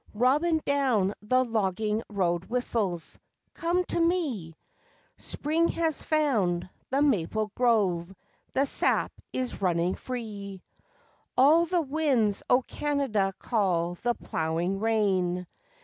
Robin down the logging road whistles, "Come to me," Spring has found the maple grove, the sap is running free; All the winds o' Canada call the ploughing rain.